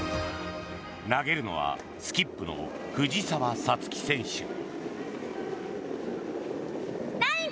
投げるのはスキップの藤澤五月選手。